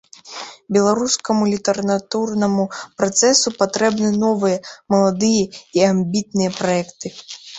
Беларускаму літаратурнаму працэсу патрэбны новыя, маладыя і амбітныя праекты.